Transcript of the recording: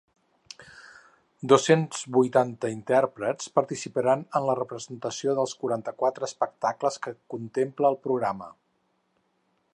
Dos-cents vuitanta intèrprets participaran en la representació dels quaranta-quatre espectacles que contempla el programa.